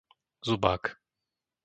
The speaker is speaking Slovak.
Zubák